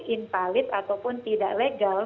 impalit ataupun tidak legal